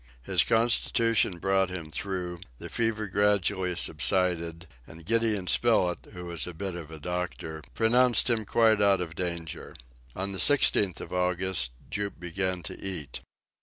His constitution brought him through, the fever gradually subsided, and Gideon Spilett, who was a bit of a doctor, pronounced him quite out of danger. On the 16th of August, Jup began to eat.